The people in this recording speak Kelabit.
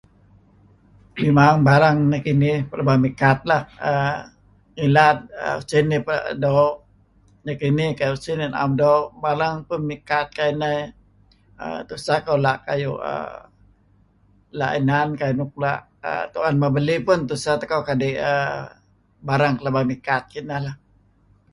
Mimang barang nekinih pelaba mikat lah. Er Ngilad usin nih peh doo nekinih keh usin dih a'am doo' barang peh mikat kuayu inan. [er} Tuseh koh kayu' la' inan nuk la' tu'en muh belih peh tuseh tikoh kadi' barang pelaba mikat kinah lah.